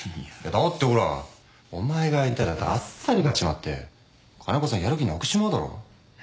だってほらお前が相手だとあっさり勝っちまって金子さんやる気なくしちまうだろ？